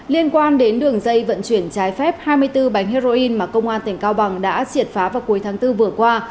liên quan đến đường dây vận chuyển trái phép hai mươi bốn bánh heroin mà công an tỉnh cao bằng đã triệt phá vào cuối tháng bốn vừa qua